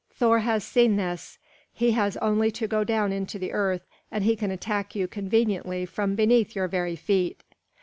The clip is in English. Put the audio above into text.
Thor has seen this. He has only to go down into the earth and he can attack you conveniently from beneath your very feet."